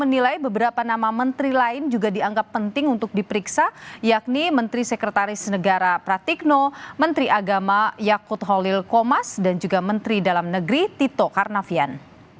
menilai beberapa nama menteri lain juga dianggap penting untuk diperiksa yakni menteri sekretaris negara pratikno menteri agama yakut holil komas dan juga menteri dalam negeri tito karnavian